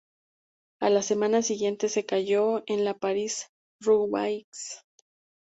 A la semana siguiente, se cayó en la París-Roubaix.